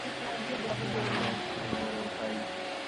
আপনি ম্যানেজার আর বড়ও, তাই।